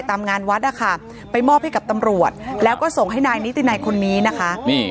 ที่จะทำงานวัดไปมอบให้กับตำรวจแล้วก็ส่งให้นายนิตินายคนนี้นะคะ